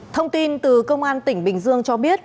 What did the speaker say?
thông tin từ công an tỉnh bình dương cho biết